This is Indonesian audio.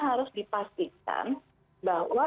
harus dipastikan bahwa